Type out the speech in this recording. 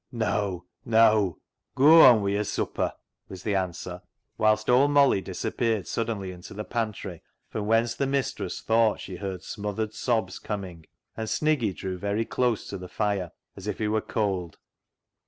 " Neaw ! Neaw ! goa on wi' yo'r supper," was the answer, whilst old Molly disappeared suddenly into the pantry, from whence the mistress thought she heard smothered sobs coming, and Sniggy drew very close to the fire, as if he were cold.